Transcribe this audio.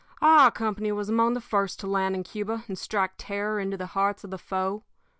Our company was among the first to land in Cuba and strike terror into the hearts of the foe.